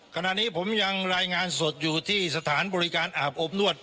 ขณะนี้ผมยังรายงานสดอยู่ที่สถานบริการอาบอบนวด